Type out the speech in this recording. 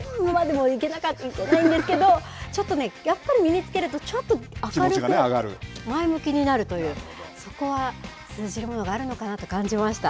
いけないんですけど、ちょっとね、やっぱり身につけると、ちょっと明るく、前向きになるという、そこは通じるものがあるのかなって感じました。